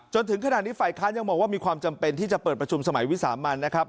จนถึงขณะนี้ฝ่ายค้านยังมองว่ามีความจำเป็นที่จะเปิดประชุมสมัยวิสามันนะครับ